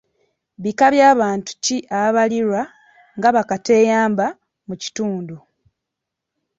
Bika bya bantu ki ababalibwa nga ba kateeyamba mu kitundu?